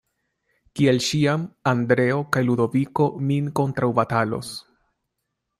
Kiel ĉiam, Andreo kaj Ludoviko min kontraŭbatalos.